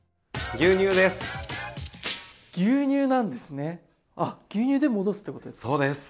牛乳で戻すってことですか？